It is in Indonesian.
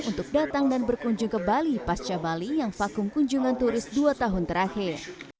untuk datang dan berkunjung ke bali pasca bali yang vakum kunjungan turis dua tahun terakhir